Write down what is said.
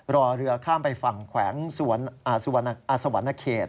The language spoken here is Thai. รอเรือข้ามไปฝั่งแขวงสวรรณเขต